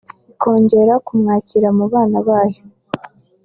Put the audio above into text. Ikongera kumwakira mu bana bayo…